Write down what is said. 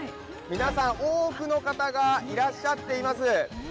皆さん、多くの方がいらっしゃっています。